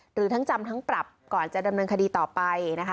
หรือทั้งจำทั้งปรับก่อนจะดำเนินคดีต่อไปนะคะ